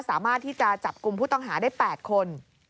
สามารถที่จะจับกลุ่มผู้ต้องหาได้๘คน